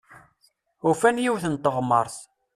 Ufan yiwet n teɣmert.